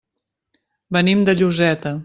Venim de Lloseta.